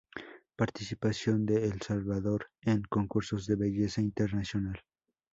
Participación de El Salvador en concursos de belleza internacional.